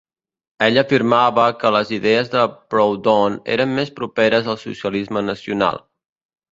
Ell afirmava que les idees de Proudhon eren més properes al socialisme nacional.